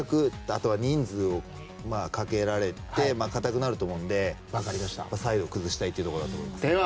あとは人数をかけられて堅くなると思うのでサイドを崩したいところだと思います。